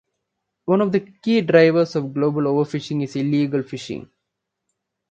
One of the key drivers of global overfishing is illegal fishing.